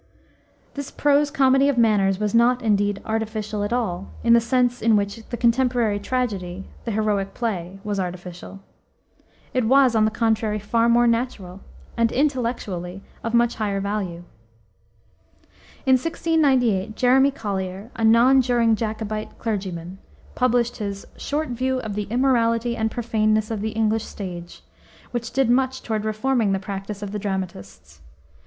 This prose comedy of manners was not, indeed, "artificial" at all, in the sense in which the contemporary tragedy the "heroic play" was artificial. It was, on the contrary, far more natural, and, intellectually, of much higher value. In 1698 Jeremy Collier, a non juring Jacobite clergyman, published his Short View of the Immorality and Profaneness of the English Stage, which did much toward reforming the practice of the dramatists.